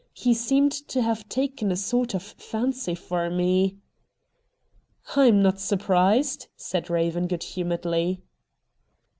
He seemed to have taken a sort of fancy for me.' ' I'm not surprised,' said Eaven, good humouredly.